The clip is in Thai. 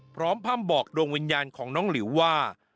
พร่ำบอกดวงวิญญาณของน้องหลิวว่า